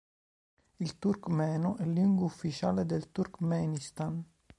Il turkmeno è lingua ufficiale del Turkmenistan.